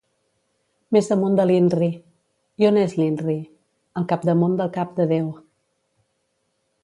—Més amunt de l'INRI. —I on és l'INRI? —Al capdamunt del cap de Déu.